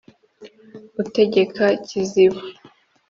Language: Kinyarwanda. utegeka kiziba :